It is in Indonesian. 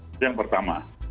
itu yang pertama